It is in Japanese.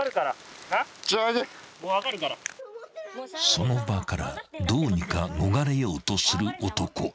［その場からどうにか逃れようとする男］